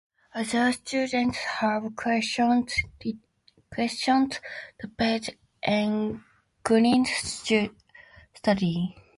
Other studies have questioned the Page and Gilens study.